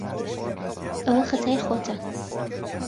ئەوە خەتای خۆتە.